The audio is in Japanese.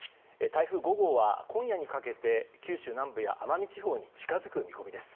台風５号は今夜にかけて九州南部や奄美地方に近づく見込みです。